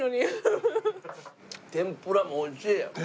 天ぷらもおいしい！